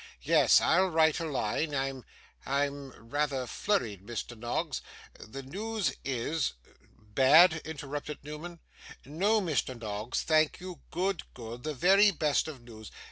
'Yes. I'll write a line. I'm I'm rather flurried, Mr. Noggs. The news is ' 'Bad?' interrupted Newman. 'No, Mr. Noggs, thank you; good, good. The very best of news.